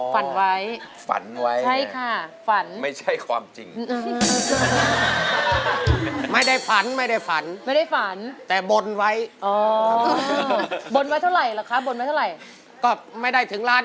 ฝันไว้ฝันไว้ใช่ค่ะฝันไม่ใช่ความจริง